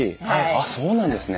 あっそうなんですね。